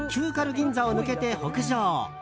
銀座を抜けて北上。